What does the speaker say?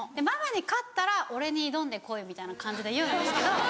ママに勝ったら俺に挑んで来いみたいな感じで言うんですけど。